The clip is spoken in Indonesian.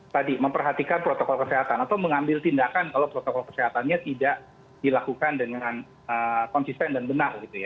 tadi memperhatikan protokol kesehatan atau mengambil tindakan kalau protokol kesehatannya tidak dilakukan dengan konsisten dan benar gitu ya